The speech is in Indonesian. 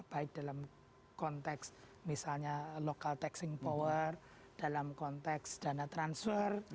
baik dalam konteks misalnya local taxing power dalam konteks dana transfer